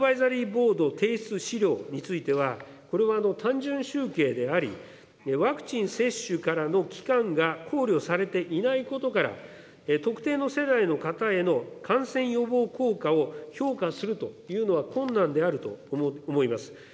ボード提出資料については、これは、単純集計であり、ワクチン接種からの期間が考慮されていないことから、特定の世代の片への感染予防効果を評価するというのは困難であると思います。